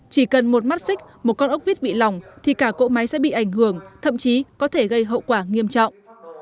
chỉ cần một mắt xích một con ốc vít bị lỏng thì cả cỗ máy sẽ bị ảnh hưởng thậm chí có thể gây hậu quả nghiêm trọng